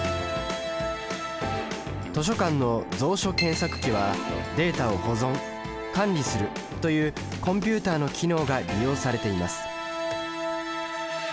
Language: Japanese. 図書館の蔵書検索機はデータを保存・管理するというコンピュータの機能が利用されています